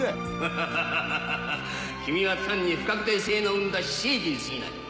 ハハハハ君は単に不確定性の生んだ私生児に過ぎない。